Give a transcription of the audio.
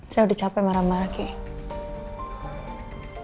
saya udah capek marah marah kayaknya